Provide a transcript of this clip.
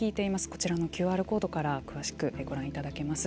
こちらのＱＲコードから詳しくご覧いただけます。